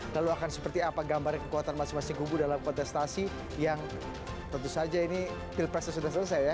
lalu akan seperti apa gambarnya kekuatan masing masing kubu dalam kontestasi yang tentu saja ini pilpresnya sudah selesai ya